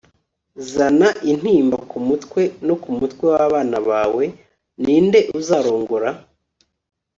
zana intimba kumutwe no kumutwe wabana bawe. ninde uzarongora